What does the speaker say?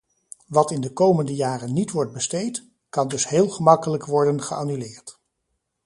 Wat in de komende jaren niet wordt besteed, kan dus heel gemakkelijk worden geannuleerd.